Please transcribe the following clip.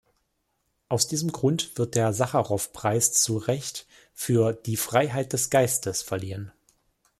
Aus diesem Grund wird der Sacharow-Preis zu Recht "für die Freiheit des Geistes" verliehen.